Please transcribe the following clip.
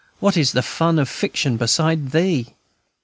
what is the fun of fiction beside thee?